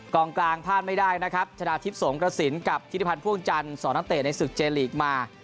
กลางกลางพลาดไม่ได้นะครับชนะทิพย์สงกระสินกับธิริพันธ์พ่วงจันทร์๒นักเตะในศึกเจลีกมา